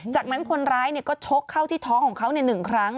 จากนั้นคนร้ายก็ชกเข้าที่ท้องของเขา๑ครั้ง